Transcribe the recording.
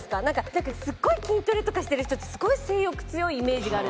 なんかすごい筋トレとかしてる人ってすごい性欲強いイメージがあるんですけど。